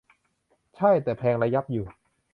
ใช่ แต่แพงระยับอยู่